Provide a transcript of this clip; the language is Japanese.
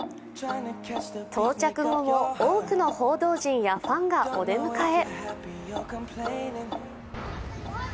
到着後も多くの報道陣やファンがお出迎え。